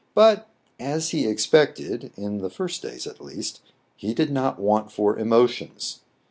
But, as he expected, — in the first days at least, — he did not want for emotions.